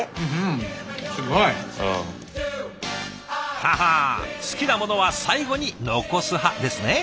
ははあ好きなものは最後に残す派ですね。